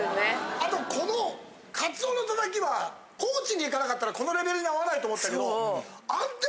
あとこのカツオのたたきは高知に行かなかったらこのレベルにあわないと思ってたけど。